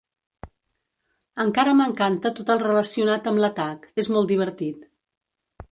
Encara m'encanta tot el relacionat amb l'atac, és molt divertit.